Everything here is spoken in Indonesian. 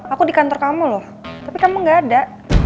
aku di kantor kamu loh tapi kamu gak ada